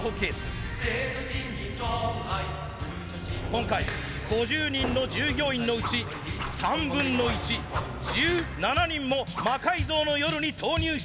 今回５０人の従業員のうち３分の１１７人も「魔改造の夜」に投入してきました。